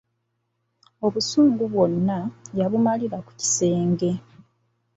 Obusungu bwonna yabumalira ku kisenge.